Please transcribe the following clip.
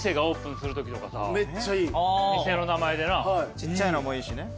ちっちゃいのもいいしね。